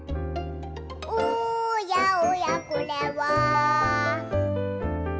「おやおやこれは」